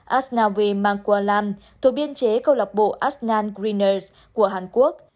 asnawi mangkulam thuộc biên chế cơ lọc bộ asnan greeners của hàn quốc